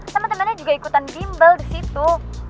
temen temennya juga ikutan bimbel di situ